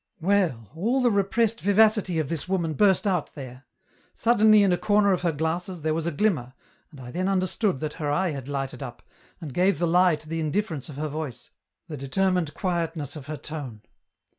Well, all the repressed vivacity of this woman burst out there ; suddenly in a corner of her glasses, there was a glimmer, and I then understood that her eye had lighted up, and gave the lie to the indifference of her voice, the determined quietness of her tone."